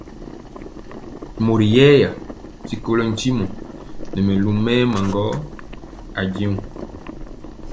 Mori yɛɛya ti kolɔ ntimɔ nɛ mɛlu mɛɛma gɔ ajeŋg.